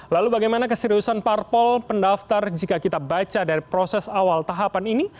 lalu bagaimana keseriusan parpol pendaftar jika kita baca dari proses awal tahapan ini